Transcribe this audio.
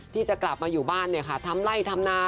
ที่จะกลับมาอยู่บ้านทำไล่ทำนา